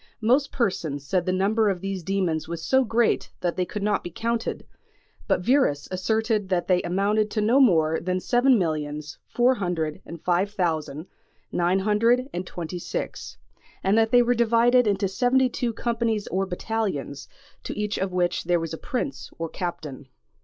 Most persons said the number of these demons was so great that they could not be counted, but Wierus asserted that they amounted to no more than seven millions four hundred and five thousand nine hundred and twenty six; and that they were divided into seventy two companies or battalions, to each of which there was a prince or captain.